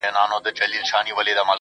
بيا هم وچكالۍ كي له اوبو سره راوتـي يـو.